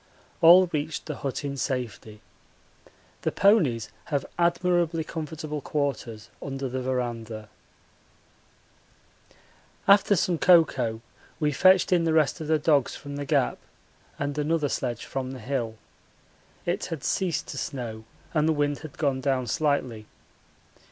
All reached the hut in safety. The ponies have admirably comfortable quarters under the verandah. After some cocoa we fetched in the rest of the dogs from the Gap and another sledge from the hill. It had ceased to snow and the wind had gone down slightly.